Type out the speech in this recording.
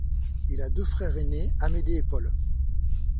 Il a deux frères ainés Amédée et Paul.